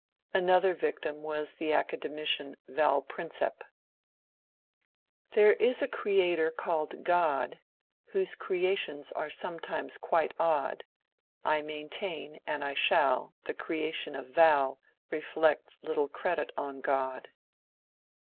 Another victim was the Academician Yal Prinsep :— 124 MONCURE DANIEL CONWAY There is a creator called God, Whose creations are sometimes quite odd : I maintain — and I shall — The creation of Val Reflects little credit on God.